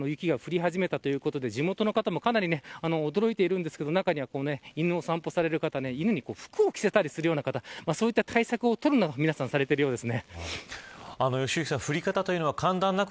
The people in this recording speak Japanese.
一気に昨日からけさ雪が降り始めたということで地元の方もかなり驚いてるんですけど中には、犬のお散歩をされる方犬に服を着せたりする方そういった対策を皆さんされているようです。